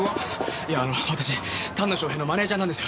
いやあの私丹野翔平のマネージャーなんですよ。